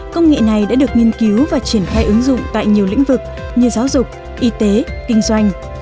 công nghệ này đã được nghiên cứu và triển khai ứng dụng tại nhiều lĩnh vực như giáo dục y tế kinh doanh